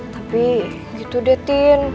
tapi gitu deh tin